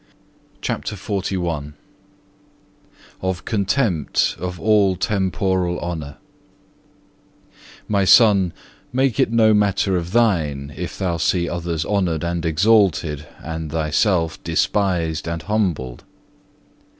CHAPTER XLI Of contempt of all temporal honour "My Son, make it no matter of thine, if thou see others honoured and exalted, and thyself despised and humbled.